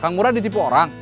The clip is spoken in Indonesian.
kang murad ditipu orang